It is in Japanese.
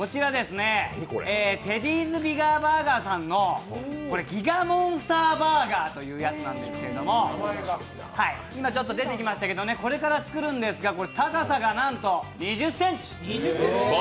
テディーズビガーバーガーさんのギガモンスターバーガーというやつなんですけれども、今ちょっと出てきましたけど、これから作るんですが、高さがなんと２０ｃｍ！